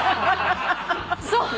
そう！